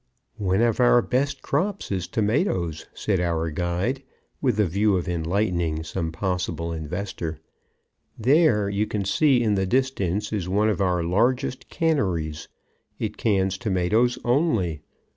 "One of our best crops is tomatoes," said our guide, with the view of enlightening some possible investor. "There, you can see in the distance, is one of our largest canneries. It cans tomatoes only.